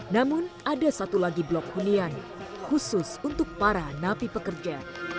namun ada satu lagi blok hunian khusus untuk para napi pekerja